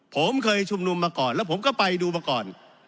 ผมเคยชุมนุมมาก่อนแล้วผมก็ไปดูมาก่อน